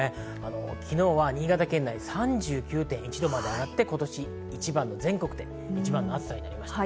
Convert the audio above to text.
昨日新潟県内３９．１度まで上がって今年一番の全国での暑さになりました。